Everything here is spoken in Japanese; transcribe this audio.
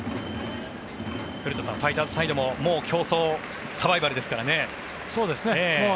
古田さん、ファイターズサイドも競争、サバイバルですからね。